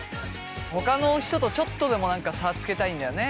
ほかの人とちょっとでも差つけたいんだよね